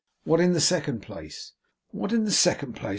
'What in the second place?' 'What in the second place?